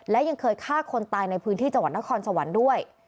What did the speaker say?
และยังเคยฆ่าคนตายในพื้นที่จังหวัดนครสวรรค์ด้วย